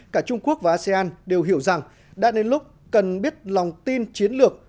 cả trung quốc và asean đều hiểu rằng đã đến lúc cần biết lòng tin chiến lược